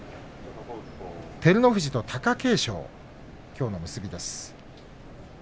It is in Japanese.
照ノ富士と貴景勝きょうの結びです。